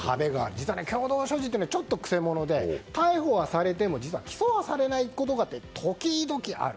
実は、共同所持というのは、ちょっとくせもので逮捕はされても実は起訴はされないことが時々ある。